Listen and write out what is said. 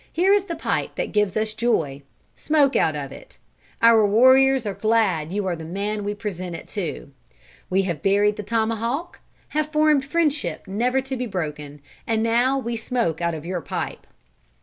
Here is the pipe that gives us joy. Smoke out of it. Our warriors are glad you are the man we present it to. We have buried the tomahawk, have formed friendship never to be broken, and now we smoke out of your pipe.